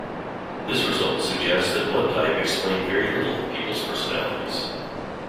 This result suggests that blood type explained very little of people's personalities.